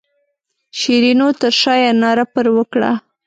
شیرینو تر شایه ناره پر وکړه.